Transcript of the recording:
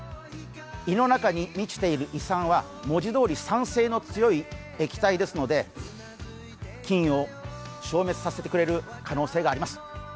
胃の中に満ちている胃酸は、文字どおり酸性の強い液体ですので、菌を消滅させてくれる可能性があります。